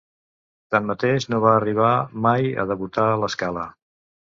Tanmateix, no va arribar mai a debutar a La Scala.